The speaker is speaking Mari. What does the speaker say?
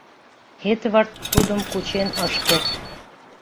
Эдвард тудым кучен ыш керт.